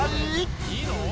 いいの？